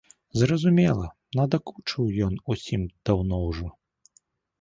Зразумела, надакучыў ён усім даўно ўжо.